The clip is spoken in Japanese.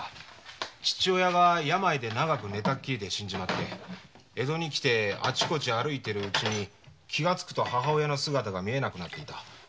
父親が病で死んじまい江戸に来てあちこち歩いてるうちに気がつくと母親の姿が見えなくなっていた。